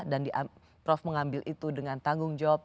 dan prof mengambil itu dengan tanggung jawab